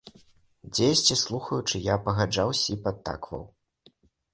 Дзесьці, слухаючы, я пагаджаўся і падтакваў.